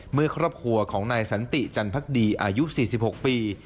เมื่อครอบครัวของนายสันติจันพักดีอายุ๔๖ปี